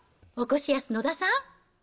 おこしやす野田さん。